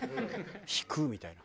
引くみたいな。